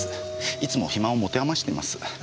いつも暇を持て余しています。